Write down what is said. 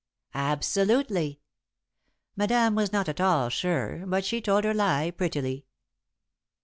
"Absolutely." Madame was not at all sure, but she told her lie prettily.